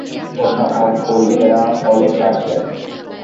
অধ্যাপক-পণ্ডিতেরা অনেকে আসিয়াছেন।